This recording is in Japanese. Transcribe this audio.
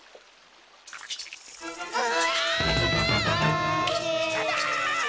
うわ！